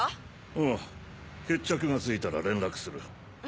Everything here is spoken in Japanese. ああ決着がついたら連絡する。